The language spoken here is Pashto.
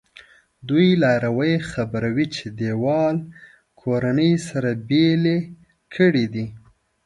دوی لاروی خبروي چې دیوال کورنۍ سره بېلې کړي دي.